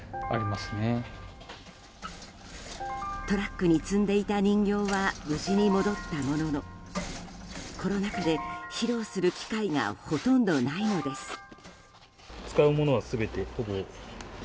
トラックに積んでいた人形は無事に戻ったもののコロナ禍で披露する機会がほとんどないのです。